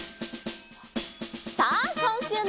さあこんしゅうの。